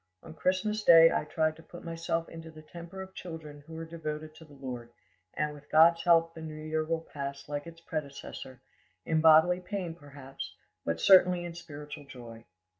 On Christmas Day I tried to put myself into the temper of children who are devoted to the Lord; and with God's help the new year will pass like its predecessor, in bodily pain, perhaps, but certainly in spiritual joy.